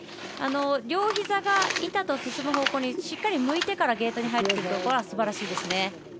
両ひざが板と進む方向にしっかり向いてからゲートに入ってくるところがすばらしいです。